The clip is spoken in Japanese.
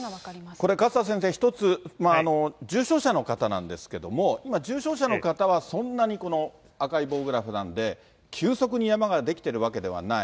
これ、勝田先生、一つ、重症者の方なんですけれども、今、重症者の方はそんなに赤い棒グラフなんで、急速に山が出来ているわけではない。